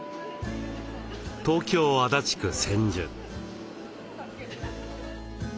東京・足立区千住。